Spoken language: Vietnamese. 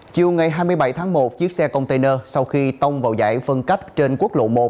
chiều ngày hai mươi bảy tháng một chiếc xe container sau khi tông vào giải phân cách trên quốc lộ một